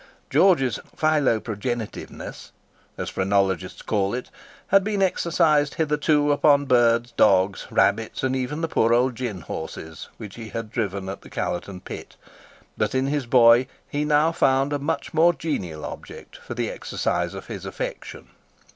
George's "philoprogenitiveness," as phrenologists call it, had been exercised hitherto upon birds, dogs, rabbits, and even the poor old gin horses which he had driven at the Callerton Pit; but in his boy he now found a much more genial object for the exercise of his affection.